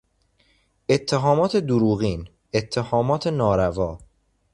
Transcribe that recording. اتهامات دروغین، اتهامات ناروا